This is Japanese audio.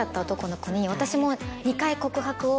私も。